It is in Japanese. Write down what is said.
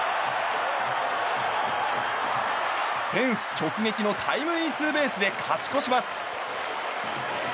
フェンス直撃のタイムリーツーベースで勝ち越します。